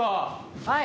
はい。